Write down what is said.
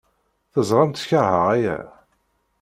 Teẓramt keṛheɣ aya.